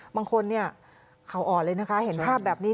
บางคนเนี่ยเขาอ่อนเลยนะคะเห็นภาพแบบนี้